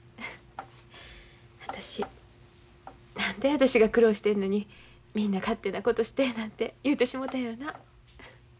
私何で私が苦労してんのにみんな勝手なことしてなんて言うてしもたんやろな。